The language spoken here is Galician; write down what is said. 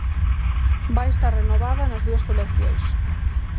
Vai estar renovada nas dúas coleccións.